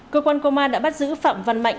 cơ quan công an đã bắt giữ phạm văn mạnh